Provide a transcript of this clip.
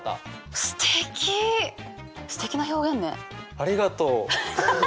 ありがとう。